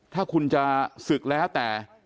ถ้าคุณจะศึกแล้วแต่